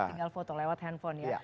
tinggal foto lewat handphone ya